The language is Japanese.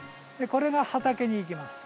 これが畑に行きます。